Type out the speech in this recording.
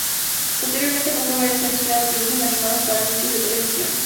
Posteriormente pasó varios años creando dibujos animados para anuncios de televisión.